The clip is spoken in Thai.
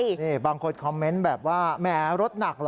นี่บางคนคอมเมนต์แบบว่าแหมรถหนักเหรอ